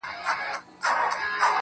o چپ سه چـــپ ســــه نور مــه ژاړه.